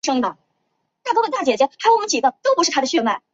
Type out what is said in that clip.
早先曾设有中国人民政治协商会议全国委员会办公厅行政管理局。